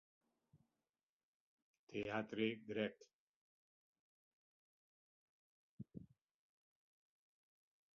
Teatre Grec.